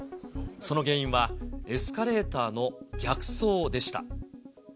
その原因はエスカレーターの逆走でした。